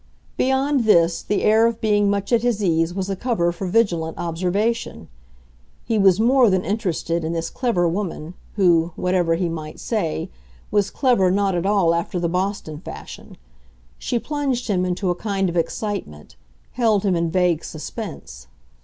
Beyond this, the air of being much at his ease was a cover for vigilant observation. He was more than interested in this clever woman, who, whatever he might say, was clever not at all after the Boston fashion; she plunged him into a kind of excitement, held him in vague suspense.